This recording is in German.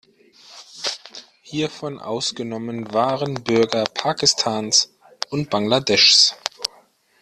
Hiervon ausgenommen waren Bürger Pakistans und Bangladeschs.